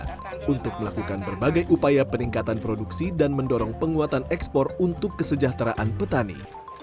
kementerian pertanian indonesia juga mencari kemampuan untuk melakukan berbagai upaya peningkatan produksi dan mendorong penguatan ekspor untuk kesejahteraan petani